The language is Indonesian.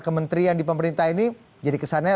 kementerian di pemerintah ini jadi kesannya